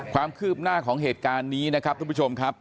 ความคืบหน้าของเหตุการณ์นี้นะครับทุกผู้ชมครับ